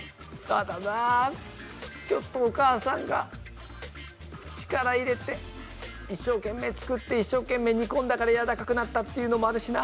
ただなあちょっとお母さんが力入れて一生懸命作って一生懸命にこんだからやわらかくなったっていうのもあるしな。